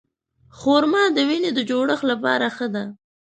خرما د وینې د جوړښت لپاره ښه ده.